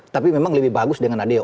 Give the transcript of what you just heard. tapi memang lebih bagus dengan adeo